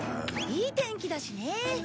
いい天気だしね。